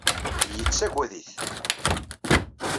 Yettagad-it.